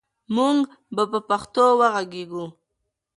موږ به په پښتو وغږېږو.